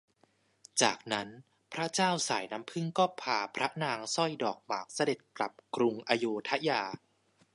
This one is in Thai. จากนั้นพระเจ้าสายน้ำผึ้งก็พาพระนางสร้อยดอกหมากเสด็จกลับกรุงอโยธยา